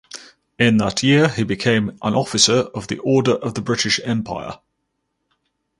In that year he became an Officer of the Order of the British Empire.